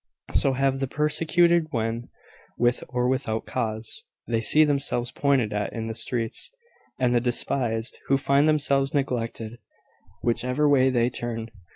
So have the persecuted, when, with or without cause, they see themselves pointed at in the streets; and the despised, who find themselves neglected, whichever way they turn.